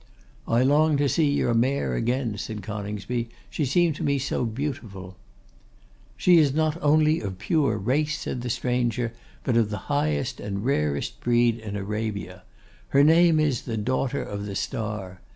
'I long to see your mare again,' said Coningsby. 'She seemed to me so beautiful.' 'She is not only of pure race,' said the stranger, 'but of the highest and rarest breed in Arabia. Her name is "the Daughter of the Star."